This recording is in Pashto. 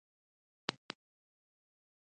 هغه وویل چې ما د ناپلیون مجسمه اخیستې وه.